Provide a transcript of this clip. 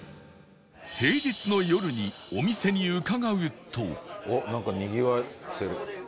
平日の夜にお店に伺うとなんかにぎわってる。